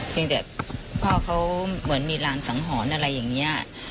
ยังแต่พ่อเขาเหมือนมีรางสังหรณ์อะไรอย่างนี้